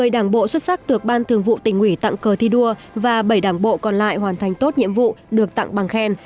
một mươi đảng bộ xuất sắc được ban thường vụ tỉnh ủy tặng cờ thi đua và bảy đảng bộ còn lại hoàn thành tốt nhiệm vụ được tặng bằng khen